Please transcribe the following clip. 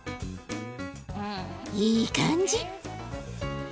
いい感じ。